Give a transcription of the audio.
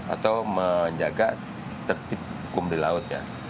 atau menjaga tertib hukum di laut ya